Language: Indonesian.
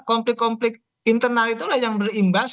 konflik konflik internal itulah yang berimbas